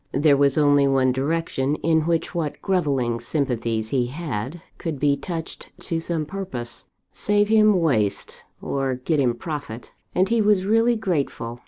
There was only one direction in which what grovelling sympathies he had, could be touched to some purpose. Save him waste, or get him profit; and he was really grateful.